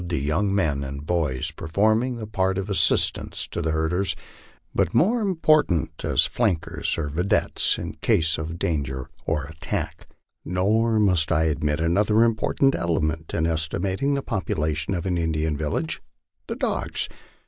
223 the young men and boys, performing the part of assistants to the herders, but more important as flankers or videttes in case of danger or attack. Nor must I omit another important element in estimating the population of an Indian village, the dogs.